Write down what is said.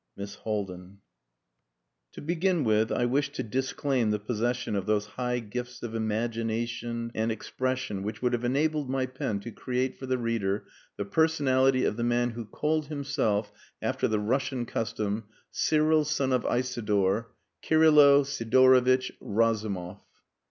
Miss HALDIN PART FIRST To begin with I wish to disclaim the possession of those high gifts of imagination and expression which would have enabled my pen to create for the reader the personality of the man who called himself, after the Russian custom, Cyril son of Isidor Kirylo Sidorovitch Razumov.